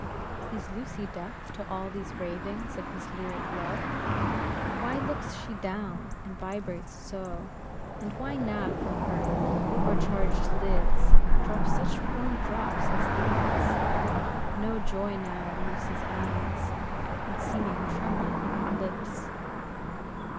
Is Lucy deaf to all these ravings of his lyric love? Why looks she down, and vibrates so; and why now from her over charged lids, drops such warm drops as these? No joy now in Lucy's eyes, and seeming tremor on her lips.